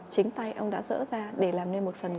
chính tay ông đã dỡ ra để làm nên một phần